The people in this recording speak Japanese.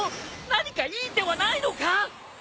何かいい手はないのか！？